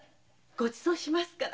ごちそうしますから。